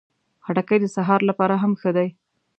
خټکی د سهار لپاره هم ښه ده.